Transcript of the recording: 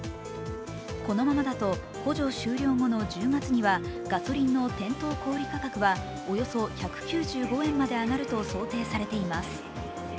このままだと補助終了後の１０月にはガソリンの店頭小売価格はおよそ１９５円まで上がると想定されています。